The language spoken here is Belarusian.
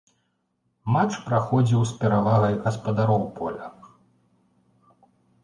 Матч праходзіў з перавагай гаспадароў поля.